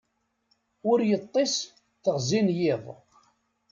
Ur yeṭṭis teɣzi n yiḍ.